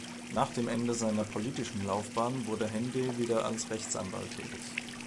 Nach dem Ende seiner politischen Laufbahn wurde Hendee wieder als Rechtsanwalt tätig.